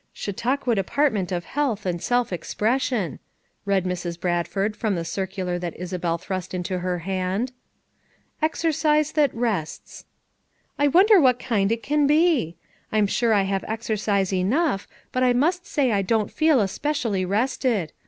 " 'Chautauqua Department of Health and Self Expression,' " read. Mrs. Bradford from the circular that Isabel thrust into her hand, " 'Exercise that rests.' I wonder what kind it can be? I'm sure I have exercise enough but I must say I don't feel especially rested.